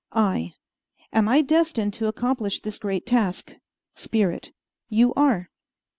I. Am I destined to accomplish this great task? Spirit. You are.